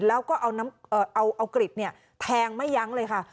แล้วก็เอากริดแทงไม่ยั้งเลยค่ะ